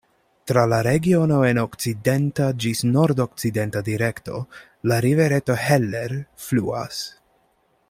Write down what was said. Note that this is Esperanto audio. Tra la regiono en okcidenta ĝis nordokcidenta direkto la rivereto Heller fluas.